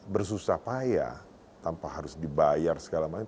bersusah payah tanpa harus dibayar segala macam